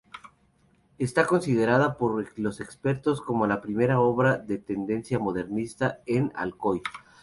Esta considerada por los expertos como la primera obra de tendencia modernista en Alcoy.